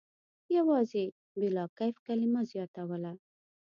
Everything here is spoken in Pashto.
یوازې «بلاکیف» کلمه زیاتوله.